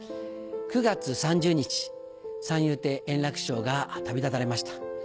９月３０日、三遊亭円楽師匠が旅立たれました。